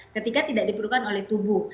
ketika tidak diperlukan oleh tubuh